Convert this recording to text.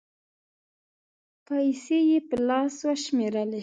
پېسې یې په لاس و شمېرلې